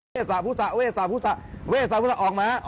เวทสะพุสะออกมา